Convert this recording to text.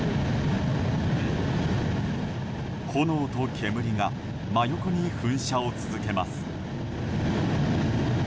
炎と煙が真横に噴射を続けます。